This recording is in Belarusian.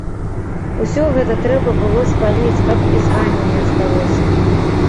Усё гэта трэба было спаліць, каб і звання не асталося.